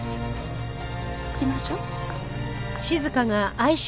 行きましょう。